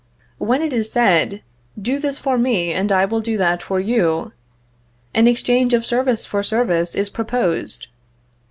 When it is said, "Do this for me, and I will do that for you," an exchange of service for service is proposed.